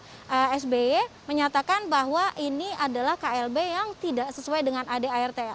tsby menyatakan bahwa ini adalah klb yang tidak sesuai dengan ad art